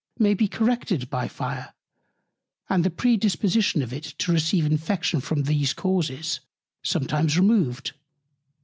may be corrected by Fire, and the Predisposition of it to receive Infection from these Causes sometimes removed.